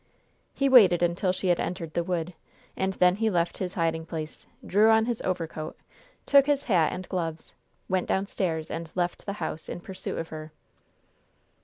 He waited until she had entered the wood, and then he left his hiding place, drew on his overcoat, took his hat and gloves, went downstairs and left the house in pursuit of her.